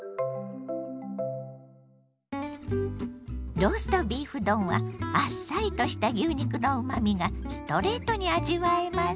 ローストビーフ丼はあっさりとした牛肉のうまみがストレートに味わえます。